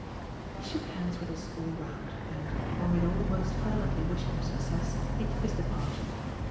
He shook hands with us all round, and, when we had all most fervently wished him success he took his departure.